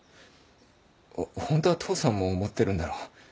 ホントは父さんも思ってるんだろ？